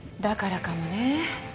だからかもね。